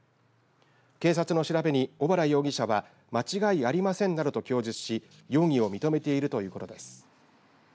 警察の調べに小原容疑者は間違いありませんなどと供述し容疑を認めているということです。